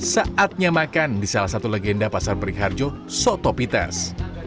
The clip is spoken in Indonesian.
saatnya makan di salah satu legenda pasar beringharjo soto pites